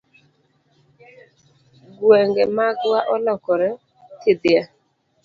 Gwenge magwa olokore thidhya.